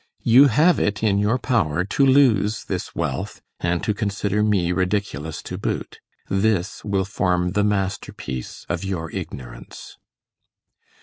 You have it in your power to lose this wealth, and to consider me ridiculous to boot. This will form the master piece of your ignorance.